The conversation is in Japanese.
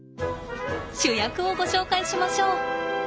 主役をご紹介しましょう。